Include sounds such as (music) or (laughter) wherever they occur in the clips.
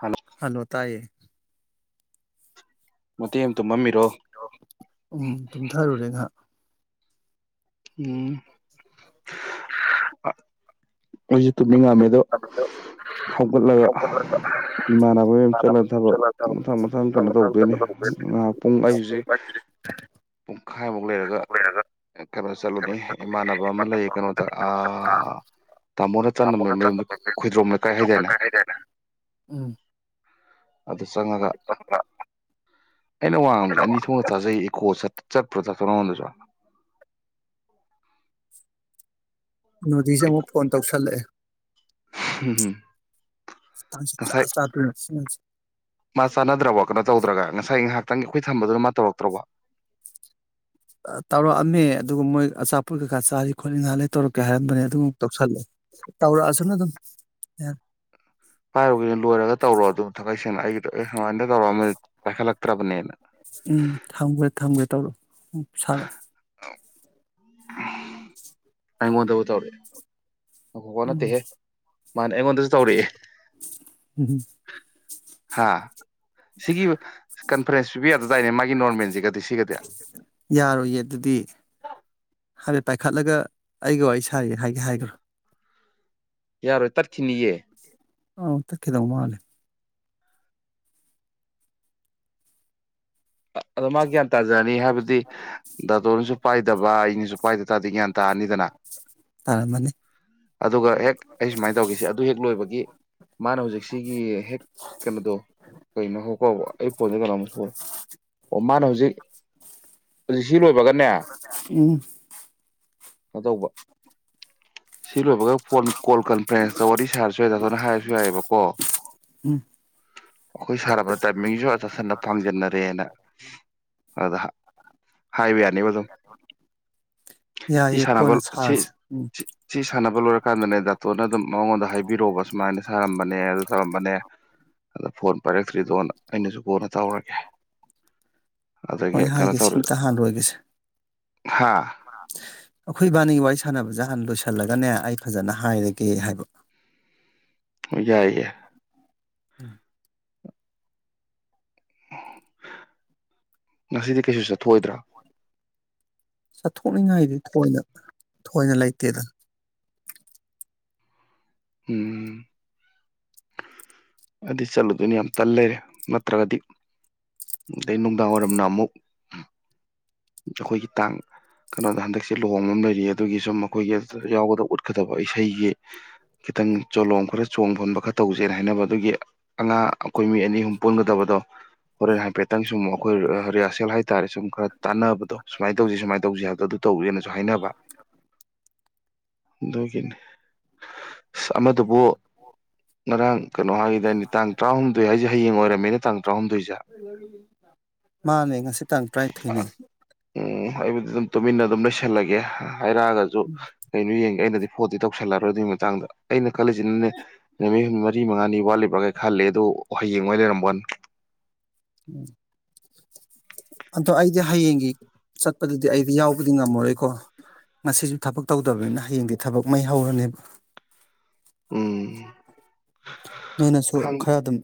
ꯍꯥꯟꯅ ꯍꯜꯂꯣ ꯇꯥꯢꯌꯦ ꯃꯦ ꯇꯦꯛ ꯑꯝꯇꯨꯝꯃꯝꯃꯤ ꯎꯝ ꯇꯨꯝꯊꯔꯨꯔꯦ ꯉꯥꯏꯍꯥꯛ ꯎꯝ ꯑꯩꯖꯨ ꯇꯨꯝꯃꯤ ꯉꯝꯃꯦ ꯑꯗꯣ ꯍꯧꯒꯠꯂꯒ ꯏꯃꯥꯟꯅꯕ ꯒꯩ ꯆꯠꯂꯒ ꯊꯕꯛ ꯃꯊꯪ ꯃꯊꯪ ꯀꯩꯅꯣ ꯇꯧꯗꯣꯏꯅꯦ ꯉꯥꯏꯍꯥꯛ ꯄꯨꯡ ꯑꯩꯖꯤꯛ ꯄꯨꯡꯈꯥꯏꯃꯨꯛ ꯂꯩꯔꯒ ꯀꯩꯅꯣꯗ ꯆꯠꯂꯨꯅꯤ ꯏꯃꯥꯟꯅꯕ ꯑꯃ ꯂꯩꯌꯦ ꯀꯩꯅꯣꯗ ꯑꯥ ꯇꯥꯃꯣꯅ ꯆꯠꯅꯕ ꯃꯥꯌꯨꯝꯗꯣ ꯍꯨꯏꯗ꯭ꯔꯣꯝ ꯂꯩꯀꯥꯏ ꯍꯥꯏꯗꯥꯏꯅꯦ ꯎꯝ ꯑꯗꯨ ꯆꯪꯉꯒ ꯑꯩꯅ ꯋꯥꯉꯥꯡꯕꯁꯦ ꯑꯅꯤ ꯊꯣꯛꯅ ꯇꯥꯖꯩꯌꯦ ꯢꯀꯣ ꯆꯠ ꯆꯠꯄꯔꯣ ꯆꯥꯛ ꯊꯣꯔꯝꯗꯖꯨꯔ ꯀꯩꯅꯣꯗꯤꯖꯦ ꯑꯃꯨꯛ ꯐꯣꯟ ꯇꯧꯁꯜꯂꯛꯑꯦ ꯍꯝ ꯍꯝ ꯇꯥꯟ ꯁꯨꯡꯆ ꯆꯗꯔꯦ ꯉꯁꯤ ꯅꯨꯃꯤꯠꯁꯦ ꯃꯥ ꯆꯥꯟꯅꯗ꯭ꯔꯥꯕꯣ ꯀꯩꯅꯣ ꯇꯧꯗ꯭ꯔꯥꯒ ꯉꯁꯥꯏ ꯉꯥꯏꯍꯥꯛ ꯇꯪ ꯑꯩꯈꯣꯏ ꯊꯝꯕꯗꯨꯅ ꯃꯥ ꯇꯧꯔꯛꯇ꯭ꯔꯥꯕꯣ ꯇꯧꯔꯛꯑꯝꯃꯦ ꯑꯗꯨꯒ ꯃꯣꯏ ꯑꯆꯥꯄꯣꯠ ꯀꯩꯀꯥ ꯆꯥꯔꯤ ꯈꯣꯠꯂꯤ ꯉꯍꯥꯟꯩꯂ ꯇꯧꯔꯛꯀꯦ ꯍꯥꯏꯔꯝꯕꯅꯦ ꯑꯗꯨꯃꯨꯛ ꯇꯧꯁꯜꯂꯣ ꯇꯧꯔꯛꯑꯁꯨꯅ ꯑꯗꯨꯝ ꯌꯥꯔ ꯍꯥꯏꯔꯨꯒꯦ ꯂꯣꯏꯔꯒ ꯇꯧꯔꯣ ꯑꯗꯨ ꯊꯥꯡꯉꯩ ꯁꯦꯡꯅ ꯑꯩ (inaudible) ꯃꯥꯟꯗ ꯇꯧꯔꯛꯑꯝꯗꯤ ꯄꯥꯢꯈꯠꯂꯛ ꯇꯕꯅꯦꯅ ꯎꯝ ꯊꯝꯒꯦ ꯊꯝꯒꯦ ꯇꯧꯔꯣ ꯎꯝ ꯁꯥꯅꯣ (inaudible) (inaudible) ꯑꯩꯉꯣꯟꯗꯕꯨ ꯇꯧꯔꯛꯑꯦ ꯑꯐꯋꯥ ꯎꯝ ꯅꯠꯇꯦꯍꯦ ꯃꯥꯅꯦ ꯑꯩꯉꯣꯟꯗꯖꯨ ꯇꯧꯔꯛꯑꯦ (inaudible) ꯎꯝꯎꯝ ꯍꯥꯥ ꯁꯤꯒꯤ ꯀꯟꯐꯔꯦꯟꯁ ꯄꯤꯕ ꯌꯥꯗꯗꯥꯏꯅꯦ ꯃꯥꯒꯤ ꯅꯣꯔꯃꯦꯜꯁꯤꯒꯗꯤ ꯁꯤꯒꯗꯤ ꯍꯥꯟꯅ ꯄꯥꯏꯈꯠꯂꯒ ꯑꯩꯒ ꯋꯥꯔꯤ ꯁꯥꯏꯌꯦ ꯍꯥꯏꯒꯦ ꯍꯥꯏꯒ꯭ꯔꯣ ꯌꯥꯔꯣꯏ ꯇꯠ ꯈꯤꯅꯤꯌꯦ ꯑꯥ ꯇꯠꯈꯤꯗꯧ ꯃꯥꯂꯦ ꯑꯗꯨ ꯃꯥꯒꯤ ꯒ꯭ꯌꯥꯟ ꯇꯥꯖꯔꯅꯤ ꯍꯥꯏꯕꯗꯤ ꯗꯥꯇꯣꯅꯁꯨ ꯄꯥꯏꯗꯕ ꯑꯩꯅꯁꯨ ꯄꯥꯏꯗ ꯇꯥꯗꯤ ꯒ꯭ꯌꯥꯟ ꯇꯥꯔꯅꯤꯗꯅ ꯇꯥꯔꯝꯃꯅꯤ ꯑꯗꯨꯒ ꯍꯦꯛ ꯑꯩ ꯁꯨꯃꯥꯏꯅ ꯇꯧꯈꯤꯁꯦ ꯑꯗꯨ ꯍꯦꯛ ꯂꯣꯏꯕꯒꯤ ꯃꯥꯅ ꯍꯧꯖꯤꯛꯁꯤꯒꯤ ꯍꯦꯛ ꯀꯩꯅꯣꯗꯣ ꯀꯩꯅꯣ ꯉꯥꯏꯈꯣꯀꯣ ꯑꯩ ꯐꯣꯟꯁꯦ ꯀꯩꯅꯣꯝ ꯃꯅ ꯍꯧꯖꯤꯛ ꯑꯗꯨ ꯁꯤ ꯂꯣꯏꯕꯒꯅꯦ ꯎꯝ ꯀꯩꯅꯣ ꯇꯧꯕ ꯁꯤ ꯂꯣꯏꯕꯒ ꯐꯣꯟ ꯀꯣꯜ ꯀꯟꯐ꯭ꯔꯦꯟꯁꯇ ꯋꯥꯔꯤ ꯁꯥꯔꯁꯨ ꯌꯥꯏ ꯇꯥꯅ ꯍꯥꯏꯔꯁꯨ ꯌꯥꯏꯌꯦꯕꯀꯣ ꯎꯝ ꯑꯩꯈꯣꯏ ꯁꯥꯅꯕꯗ ꯇꯥꯏꯃꯤꯡꯁꯨ ꯆꯁꯟꯅ ꯐꯥꯡꯖꯟꯅ ꯑꯗ ꯍꯥꯏ ꯍꯥꯏꯕ ꯌꯥꯅꯦꯕ ꯑꯗꯨꯝ ꯁꯤ ꯌꯥꯏꯌꯦ ꯁꯥꯟꯅꯕ ꯀꯣꯟꯅ ꯁꯤ ꯁꯥꯔꯁꯦ ꯎꯝ ꯁꯤ ꯁꯥꯅ ꯁꯥꯟꯅꯕ ꯂꯣꯏꯔꯀꯥꯟꯗꯅꯦ ꯗꯥꯇꯣꯟꯅꯅꯦ ꯑꯗꯨꯝ ꯃꯉꯣꯟꯗ ꯍꯥꯏꯕꯤꯔꯑꯣꯕ ꯁꯨꯃꯥꯏꯅ ꯁꯥꯔꯝꯕꯅꯦ ꯑꯗꯨ ꯇꯧꯔꯝꯕꯅꯦ ꯑꯗ ꯐꯣꯟ ꯄꯥꯏꯔꯛꯇ꯭ꯔꯤꯗꯣ ꯑꯩꯅꯁꯨ ꯀꯣꯟꯅ ꯇꯧꯔꯒꯦ ꯍꯣꯏ ꯑꯗꯒꯤ ꯍꯥꯏꯒꯦ ꯁꯤꯝꯇ ꯍꯥꯟ ꯂꯣꯏꯒꯤꯁꯦ ꯍꯥꯥ ꯑꯩꯈꯣꯏ ꯏꯕꯅꯤꯒꯤ ꯋꯥꯔꯤ ꯁꯥꯟꯅꯕꯁꯦ ꯍꯥꯟꯅ ꯂꯣꯏꯁꯜꯂꯒꯅꯦ ꯑꯩ ꯐꯖꯅ ꯍꯥꯏꯔꯒꯦ ꯍꯥꯏꯕ ꯌꯥꯏꯌꯦ (inaudible) ꯉꯁꯤꯗꯤ ꯀꯩꯁꯨ ꯆꯠꯊꯣꯛꯑꯣꯏꯗ꯭ꯔꯥ ꯆꯠꯊꯣꯛꯅꯤꯡꯉꯥꯏꯗꯤ ꯊꯣꯏꯅ ꯊꯣꯏꯅ ꯂꯩꯇꯦꯗ ꯎꯝ ꯑꯗꯨ ꯆꯠꯂꯨꯗꯨꯅꯤ ꯌꯥꯝ ꯇꯟ ꯂꯩꯔꯦ ꯅꯠꯇ꯭ꯔꯒꯗꯤ ꯑꯗꯩ ꯅꯨꯡꯗꯥꯡ ꯋꯥꯏꯔꯝꯅ ꯑꯃꯨꯛ ꯑꯩꯈꯣꯏꯒꯤ ꯇꯥꯡ ꯀꯩꯅꯣꯗ ꯍꯟꯗꯛꯁꯦ ꯂꯨꯍꯣꯡꯕ ꯑꯃ ꯂꯩꯔꯤ ꯑꯗꯨꯒꯤ ꯁꯨꯝ ꯑꯩꯈꯣꯏꯒꯤ ꯌꯥꯎꯒꯗꯕ ꯎꯠꯀꯗꯕ ꯏꯁꯩꯒꯤ ꯈꯤꯇꯪ ꯆꯣꯂꯣꯡꯝ ꯈꯔ ꯆꯣꯡꯐꯟꯕ ꯈꯔ ꯇꯧꯖꯦꯅ ꯍꯥꯏꯅꯕ ꯑꯗꯨꯒꯤ ꯑꯉꯥꯡ ꯑꯩꯈꯣꯏ ꯃꯤ ꯑꯅꯤ ꯑꯍꯨꯝ ꯄꯨꯟꯒꯗꯕꯗꯣ ꯍꯣꯔꯦꯟ ꯍꯥꯏꯐꯦꯠꯇꯪ ꯁꯨꯝ ꯑꯩꯈꯣꯏ ꯔꯤꯍꯔꯁꯦꯜ ꯍꯥꯏ ꯇꯥꯔꯦ ꯁꯨꯝ ꯈꯔ ꯇꯥꯟꯅꯕꯗꯣ ꯁꯨꯃꯥꯏꯅ ꯇꯧꯁꯤ ꯁꯨꯃꯥꯏ ꯇꯧ ꯍꯥꯏꯕꯗ ꯑꯗꯨ ꯇꯧꯒꯦꯅ ꯁꯨ ꯍꯥꯏꯅꯕ ꯑꯗꯨꯒꯤꯅꯤ ꯑꯁ ꯑꯃꯗꯨꯕꯨ ꯉꯔꯥꯡ ꯀꯩꯅꯣ (unintelligible) ꯍꯥꯏꯈꯤꯗꯥꯏꯅꯦ ꯇꯥꯡ ꯇꯔꯥꯍꯨꯝꯗꯣꯏ ꯍꯥꯏꯁꯦ ꯍꯌꯦꯡ ꯑꯣꯏꯔꯝꯃꯦꯅꯦ ꯇꯥꯡ ꯇꯔꯥꯍꯨꯝꯗꯣꯏꯁꯦ ꯃꯥꯅꯦ ꯉꯁꯤ ꯇꯥꯡ ꯇꯔꯥꯅꯤꯊꯣꯏꯅꯦ ꯎꯝ ꯑꯩꯕꯨꯗꯤ ꯑꯗꯨꯝ ꯇꯨꯃꯤꯟꯅ ꯑꯗꯨꯝ ꯂꯩꯁꯜꯂꯒꯦ ꯍꯥꯏꯔꯛꯑꯒꯁꯨ ꯀꯩꯅꯣ ꯌꯦꯡꯒꯦ ꯑꯩꯅꯗꯤ ꯐꯣꯟꯗꯤ ꯇꯧꯁꯜꯂꯔꯣꯏ ꯑꯗꯨꯒꯤ ꯃꯇꯥꯡꯗ ꯑꯩꯅ ꯈꯜꯂꯤꯁꯤꯅꯅꯦ ꯅꯨꯃꯤꯠ ꯍꯨꯝ ꯃꯔꯤ ꯃꯉꯥꯅꯤ ꯋꯥꯠꯂꯤꯕ꯭ꯔꯥꯒ ꯈꯜꯂꯤ ꯑꯗꯨ ꯍꯌꯦꯡ ꯑꯣꯏ ꯂꯩꯔꯝꯕ꯭ꯋꯥꯅꯦ (inaudible) ꯑꯗꯣ ꯑꯩꯗꯤ ꯍꯌꯦꯡꯒꯤ ꯆꯠꯄꯗꯨꯗꯤ ꯑꯩꯗꯤ ꯌꯥꯎꯕꯗꯤ ꯉꯝꯃꯔꯣꯏꯀꯣ ꯉꯁꯤꯁꯨ ꯊꯕꯛ ꯇꯧꯗꯕꯅꯤꯅ ꯍꯌꯦꯡꯗꯤ ꯊꯕꯛ ꯃꯩ ꯍꯧꯔꯅꯦꯕ ꯎꯝ ꯅꯣꯏꯅꯁꯨ ꯈꯪ ꯈꯔ ꯑꯗꯨꯝ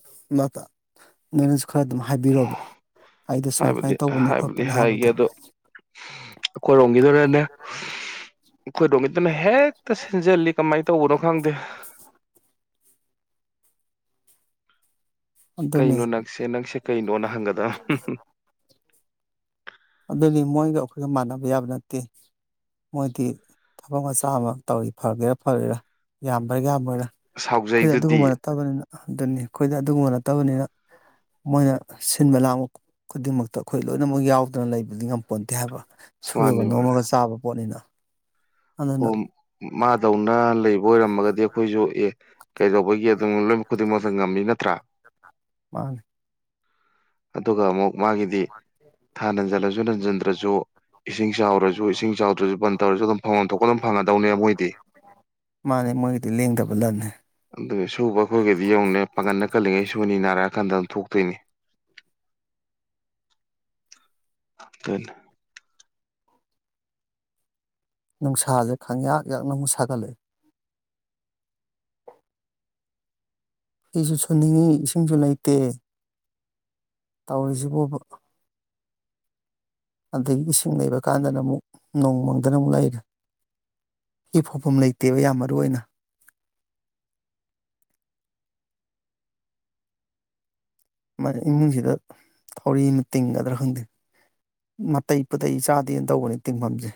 (unintelligible) ꯈꯔ ꯑꯗꯨꯝ ꯍꯥꯏꯕꯤꯔꯣꯕ ꯑꯩꯗꯣ ꯁꯨꯃꯥꯏ ꯍꯥꯏꯕꯗꯤ ꯁꯨꯃꯥꯏꯅ ꯇꯧꯕꯅꯦ ꯍꯥꯏꯕꯨꯗꯤ ꯈꯣꯠꯄꯅꯤ ꯍꯥꯏꯕꯗꯣ ꯈꯣꯢꯔꯣꯝꯒꯤꯗꯨꯔꯅꯦ ꯈꯣꯢ ꯔꯣꯝꯒꯤ ꯑꯗꯨꯅ ꯍꯦꯛꯇ ꯁꯤꯟꯖꯜꯂꯤ ꯀꯃꯥꯏꯅ ꯇꯧꯕꯅꯣ ꯈꯪꯗꯦ ꯑꯗꯨꯅꯤ ꯀꯩꯅꯣ ꯅꯪꯁꯦ ꯅꯪꯁꯦ ꯀꯩꯅꯣꯅ ꯍꯪꯒꯗꯝ ꯑꯗꯨꯅꯤ ꯃꯣꯏꯒ ꯑꯩꯈꯣꯏꯒ ꯃꯥꯟꯅꯕ ꯌꯥꯕ ꯅꯠꯇꯦ ꯃꯣꯏꯗꯤ ꯊꯕꯛ ꯃꯆꯥ ꯑꯃ ꯇꯧꯔꯤ ꯐꯒꯦꯔꯥ ꯐꯔꯣꯏꯔ ꯌꯥꯝꯕ꯭ꯔꯥ ꯌꯥꯝꯃꯣꯏꯔꯥ ꯑꯩꯈꯣꯏ ꯁꯥꯎꯖꯩꯗꯨꯗꯤ ꯑꯗꯨꯒꯨꯝꯕ ꯅꯠꯇꯕꯅꯤꯅ ꯑꯗꯨꯅꯤ ꯑꯩꯈꯣꯏꯗ ꯑꯗꯨꯒꯨꯝꯕ ꯅꯠꯇꯕꯅꯤꯅ ꯃꯣꯏꯅ ꯁꯤꯟꯕ ꯂꯥꯡꯕ ꯈꯨꯗꯤꯡꯃꯛꯇ ꯑꯩꯈꯣꯏ ꯂꯣꯏꯅꯃꯛ ꯌꯥꯎ ꯗꯣ ꯂꯩꯕꯗꯤ ꯉꯝ ꯄꯣꯠꯇꯦ ꯍꯥꯏꯕ ꯁꯨꯔꯒ ꯅꯣꯝꯃꯒ ꯆꯥꯕ ꯄꯣꯠꯅꯤꯅ ꯑꯣ ꯑꯗꯨꯅ ꯃꯥꯗꯧꯅ ꯂꯩꯕ ꯑꯣꯏꯔꯝꯃꯒꯗꯤ ꯑꯩꯈꯣꯏꯖꯨ ꯑꯦ ꯀꯩꯗꯧꯕꯒꯤ ꯑꯗꯨꯝ ꯂꯣꯏ ꯈꯨꯗꯤꯡꯃꯛꯇ ꯉꯝꯃꯤ ꯅꯠꯇ꯭ꯔ ꯃꯥꯅꯤ ꯑꯗꯨꯒ ꯑꯃꯨꯛ ꯃꯥꯒꯤꯗꯤ ꯊꯥ ꯅꯟꯖꯜꯂꯖꯨ ꯅꯟꯖꯟꯗ꯭ꯔꯖꯨ ꯏꯁꯤꯡ ꯆꯥꯎꯔꯖꯨ ꯏꯁꯤꯡ ꯆꯥꯎꯗ꯭ꯔꯁꯨ ꯕꯟ ꯇꯧꯔꯁꯨ ꯑꯗꯨꯝ ꯐꯪꯕꯝ ꯊꯣꯛꯄ ꯑꯗꯨꯝ ꯐꯪꯉꯗꯧꯅꯦ ꯃꯣꯏꯗꯤ ꯃꯥꯅꯤ ꯃꯣꯏꯒꯤꯗꯤ ꯂꯦꯡꯗꯕ ꯂꯟꯅꯤ ꯑꯗꯨ ꯁꯨꯕ ꯑꯩꯈꯣꯏꯒꯗꯤ ꯌꯦꯡꯉꯨꯅꯦ ꯄꯥꯡꯒꯜꯅ ꯀꯜꯂꯤꯉꯩ ꯁꯨꯅꯤ ꯅꯥꯔꯛꯑꯀꯥꯟꯗ ꯊꯣꯛꯇꯣꯏꯅꯦ (inaudible) (unintelligible) ꯅꯨꯡꯁꯥꯖꯦ ꯈꯪꯌꯥꯛ ꯌꯥꯛꯅꯃꯨꯛ ꯁꯥꯒꯠꯂꯛꯑꯦ ꯐꯤꯖꯨ ꯁꯨꯅꯤꯡꯉꯤ ꯏꯁꯤꯡꯁꯨ ꯂꯩꯇꯦ ꯇꯧꯔꯤꯖꯤꯕꯣꯕ ꯑꯗꯒꯤ ꯏꯁꯤꯡ ꯂꯩꯕ ꯀꯥꯟꯗꯅ ꯑꯃꯨꯛ ꯅꯣꯡ ꯃꯪꯗꯅ ꯑꯃꯨꯛ ꯂꯩꯔꯦ ꯐꯤ ꯐꯧꯐꯝ ꯂꯩꯇꯦꯕ ꯌꯥꯝ ꯃꯔꯨ ꯑꯣꯏꯅ ꯃꯥꯅꯦ ꯏꯃꯨꯡꯖꯤꯗ ꯊꯧꯔꯤ ꯑꯃ ꯇꯤꯡꯒꯗ꯭ꯔ ꯈꯪꯗꯦ ꯅꯥꯇꯩ ꯄꯨꯇꯩ ꯆꯥꯗꯦꯅ ꯇꯧꯕꯅꯤ ꯇꯤꯡꯐꯝꯖꯦ